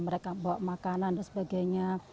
mereka bawa makanan dan sebagainya